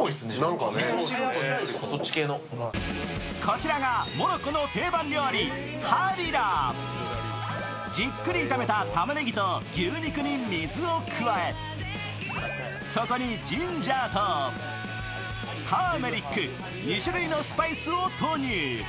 キッコーマンじっくり炒めたたまねぎと牛肉に水を加えそこにジンジャーとターメリック２種類のスパイスを投入。